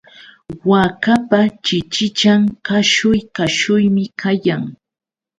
Waakapa chichichan kashuy kashuymi kayan.